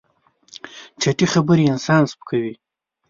چټي خبرې انسان سپکوي.